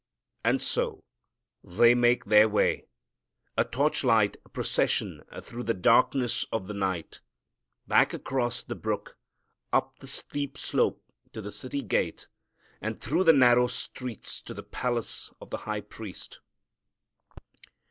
And so they make their way, a torch light procession through the darkness of the night, back across the brook, up the steep slope to the city gate, and through the narrow streets to the palace of the high priest.